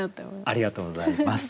ありがとうございます。